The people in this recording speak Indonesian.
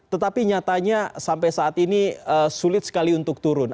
tetapi nyatanya sampai saat ini sulit sekali untuk turun